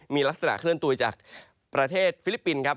มีลักษณะเคลื่อนตัวจากประเทศฟิลิปปินส์ครับ